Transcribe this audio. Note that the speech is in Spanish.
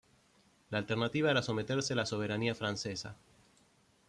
La alternativa era someterse a la soberanía francesa.